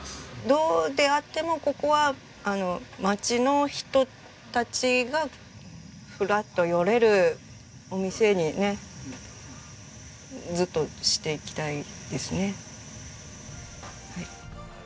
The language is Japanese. どうであってもここは町の人たちがふらっと寄れるお店にねずっとしていきたいですね。